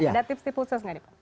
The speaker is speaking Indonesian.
ada tips diputus gak dipan